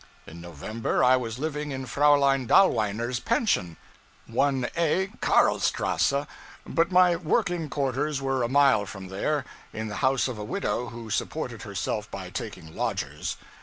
In November I was living in Fraulein Dahlweiner's pension, 1a, Karlstrasse; but my working quarters were a mile from there, in the house of a widow who supported herself by taking lodgers.